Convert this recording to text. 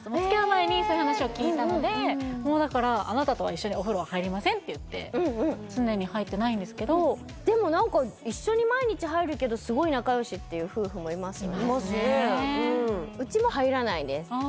前にそういう話を聞いたのでもうだからあなたとは一緒にお風呂入りませんって言って常に入ってないんですけどでも何か一緒に毎日入るけどすごい仲良しっていう夫婦もいますよねいますねうちも入らないです